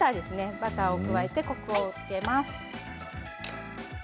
バターを加えてコクをつけます。